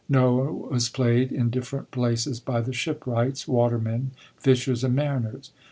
*Noah' was playd in different places by the shipwrights, watermen, fishers and mariners.